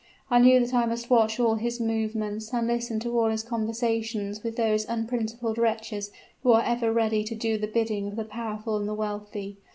I knew that I must watch all his movements and listen to all his conversations with those unprincipled wretches who are ever ready to do the bidding of the powerful and the wealthy.